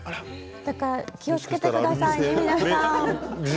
だから気をつけてくださいね皆さん。